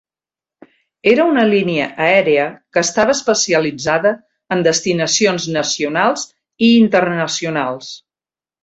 Era una línia aèria que estava especialitzada en destinacions nacionals i internacionals.